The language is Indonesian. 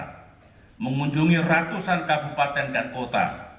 kita mengunjungi ratusan kabupaten dan kota